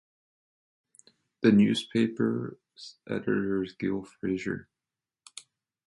The newspaper's editor is Gill Fraser.